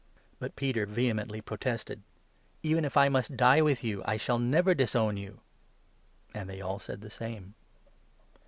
But Peter vehemently protested : 31 " Even if I must die with you, I shall never disown you !" And they all said the same.